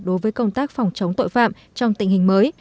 đối với công tác phòng chống tội phạm trong tình hình mới